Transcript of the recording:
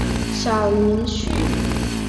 小林旭。